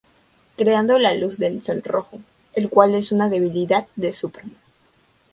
Creando luz de sol rojo, el cual es una debilidad de Superman.